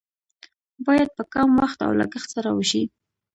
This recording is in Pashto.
باید په کم وخت او لګښت سره وشي.